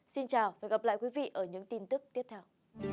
xin chào và hẹn gặp lại quý vị ở những tin tức tiếp theo